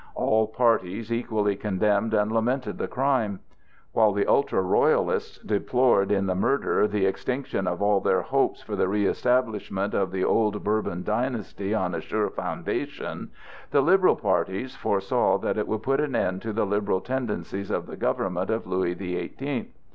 All parties equally condemned and lamented the crime. While the ultra Royalists deplored in the murder the extinction of all their hopes for the establishment of the old Bourbon dynasty on a sure foundation, the liberal parties foresaw that it would put an end to the liberal tendencies of the government of Louis the Eighteenth.